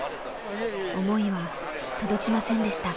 思いは届きませんでした。